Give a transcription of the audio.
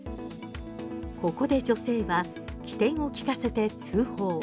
ここで女性は機転を利かせて通報。